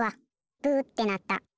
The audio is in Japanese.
「ブー」ってなった。